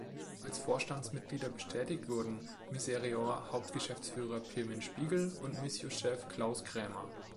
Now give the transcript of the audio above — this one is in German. Als Vorstandsmitglieder bestätigt wurden Misereor-Hauptgeschäftsführer Pirmin Spiegel und Missio-Chef Klaus Krämer.